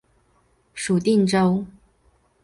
属定州。